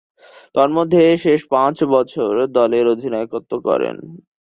তন্মধ্যে, শেষ পাঁচ বছর দলের অধিনায়কত্ব করেন।